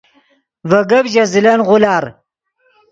ڤے گپ ژے زلن غولار